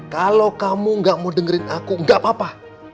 kalau kamu gak mau dengerin aku nggak apa apa